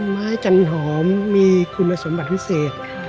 จันหอมมีคุณสมบัติพิเศษ